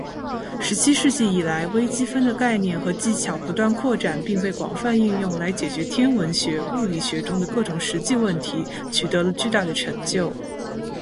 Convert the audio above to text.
十七世纪以来，微积分的概念和技巧不断扩展并被广泛应用来解决天文学、物理学中的各种实际问题，取得了巨大的成就。